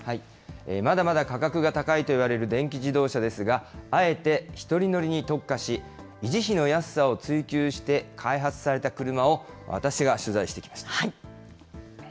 まだまだ価格が高いといわれる電気自動車ですが、あえて１人乗りに特化し、維持費の安さを追求して開発された車を私が取材してきました。